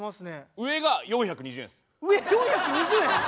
上４２０円？